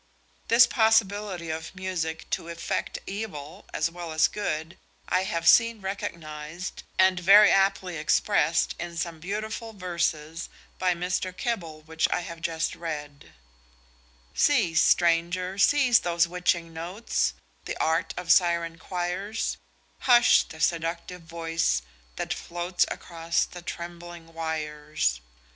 This possibility of music to effect evil as well as good I have seen recognised, and very aptly expressed in some beautiful verses by Mr. Keble which I have just read: "'Cease, stranger, cease those witching notes, The art of syren choirs; Hush the seductive voice that floats Across the trembling wires.